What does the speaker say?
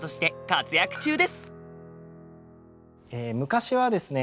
昔はですね